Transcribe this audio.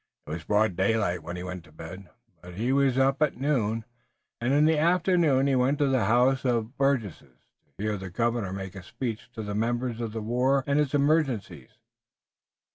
It was broad daylight when he went to bed, but he was up at noon, and in the afternoon he went to the House of Burgesses to hear the governor make a speech to the members on the war and its emergencies.